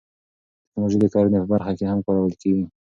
تکنالوژي د کرنې په برخه کې هم کارول کیږي.